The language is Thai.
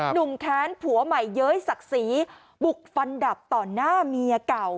แค้นผัวใหม่เย้ยศักดิ์ศรีบุกฟันดับต่อหน้าเมียเก่า